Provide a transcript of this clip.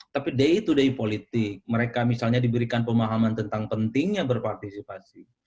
tapi day to day politik mereka misalnya diberikan pemahaman tentang pentingnya berpartisipasi